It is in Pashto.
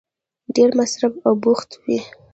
ډېر مصروف او بوخت وی